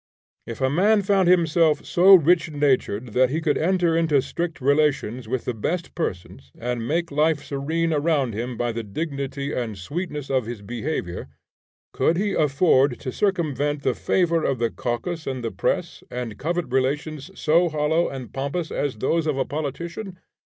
If a man found himself so rich natured that he could enter into strict relations with the best persons and make life serene around him by the dignity and sweetness of his behavior, could he afford to circumvent the favor of the caucus and the press, and covet relations so hollow and pompous as those of a politician?